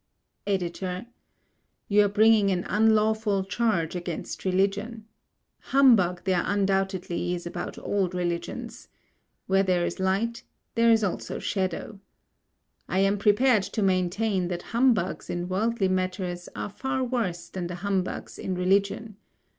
EDITOR: You are bringing an unlawful charge against religion. Humbug there undoubtedly is about all religions. Where there is light, there is also shadow. I am prepared to maintain that humbugs in worldly matters are far worse than the humbugs in religion.